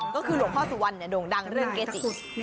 ก็คือหลวงพ่อสุวรรณโด่งดังเรื่องเกจิ